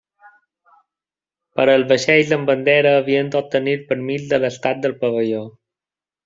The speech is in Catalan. Per als vaixells amb bandera havien d'obtenir permís de l'estat del pavelló.